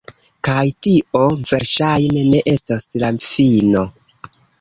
Kaj tio, verŝajne, ne estos la fino.